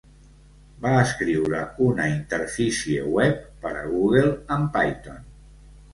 Va escriure una interfície web per a Google en Python.